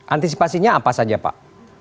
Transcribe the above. antisipasinya apa saja pak